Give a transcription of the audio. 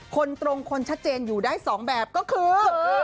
คนตรงคนชัดเจนอยู่ได้๒แบบก็คือ